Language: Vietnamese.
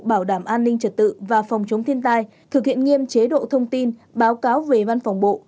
bảo đảm an ninh trật tự và phòng chống thiên tai thực hiện nghiêm chế độ thông tin báo cáo về văn phòng bộ